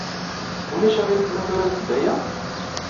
Ulac aɣilif ma turamt-d aya?